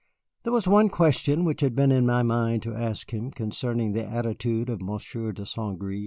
There was one question which had been in my mind to ask him, concerning the attitude of Monsieur de St. Gré.